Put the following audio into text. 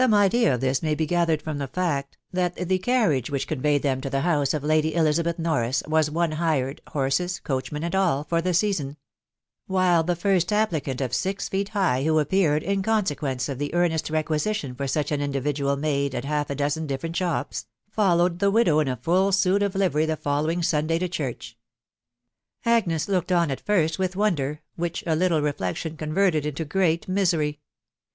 Some idea of this may be gathered from the fact, that the carriage which conveyed them to the bouse of Lady Elizabeth Norris was one hired, horses, coachman, and all, for the season ; while the first applicant of six feet high who4 appeared, in conse quence of the earnest requisition for such an individual made id half a dozen different shops, followed the widow in a full suit of livery the following Sunday to church. Agnes looked on at first with wonder, which a little re flection converted into great misery.